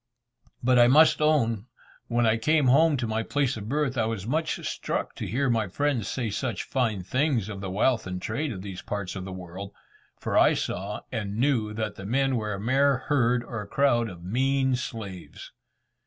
But I must own, when I came home to the place of my birth, I was much struck to hear my friends say such fine things of the wealth and trade of these parts of the world, for I saw and knew that the men were a mere herd or crowd of mean slaves.